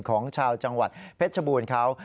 ของชาวจังหวัดเพชรชบูรณ์เขา